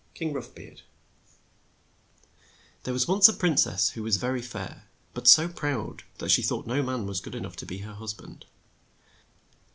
KING ROUGHBEARD THERE was once a prin cess who was ver y fair, but so proud that she thought no man was good e nough to be her hus band.